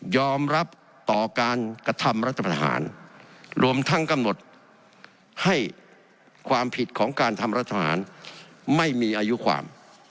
อมรับต่อการกระทำรัฐประหารรวมทั้งกำหนดให้ความผิดของการทำรัฐประหารไม่มีอายุความ